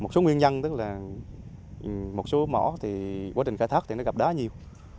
một số nguyên nhân tức là một số mỏ thì quá trình khai thác thì nó gặp đá nhiều